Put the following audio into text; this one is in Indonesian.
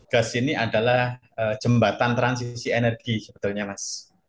gas ini adalah jembatan transisi energi sebetulnya mas